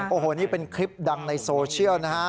โอ้โหนี่เป็นคลิปดังในโซเชียลนะฮะ